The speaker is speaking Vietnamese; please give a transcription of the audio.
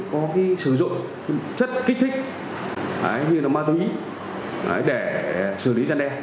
có sử dụng chất kích thích như là ma túy để xử lý gian đe